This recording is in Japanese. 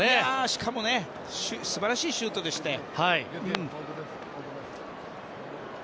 しかも素晴らしいシュートでしたよ。